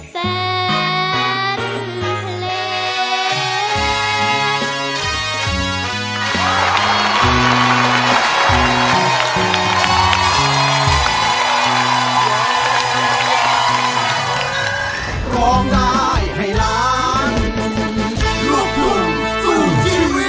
แสนเพลง